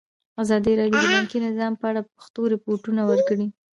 ازادي راډیو د بانکي نظام په اړه د پېښو رپوټونه ورکړي.